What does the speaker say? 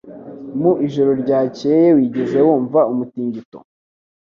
Mu ijoro ryakeye wigeze wumva umutingito?